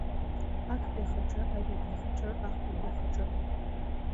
Актәи ахаҿы, аҩбатәи ахаҿы, ахԥатәи ахаҿы.